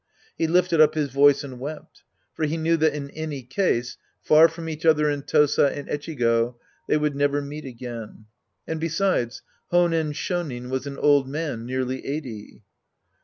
He lifted up his voice and wept. For he knew that in any case, far from each other in Tosa and Echigo, they would never meet again. And besides, Honen Shonin was an old man, nearly eighty.